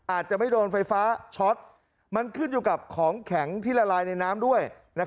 อาจจะไม่โดนไฟฟ้าช็อตมันขึ้นอยู่กับของแข็งที่ละลายในน้ำด้วย